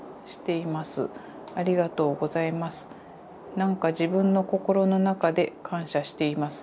なんか自分の心の中で感謝しています。